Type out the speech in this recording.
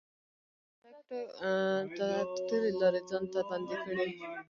هغوی بايد د شاته تګ ټولې لارې ځان ته بندې کړي.